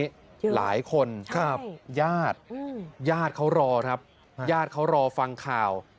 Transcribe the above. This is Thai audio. หลายคนครับญาติญาติเขารอครับญาติเขารอฟังข่าว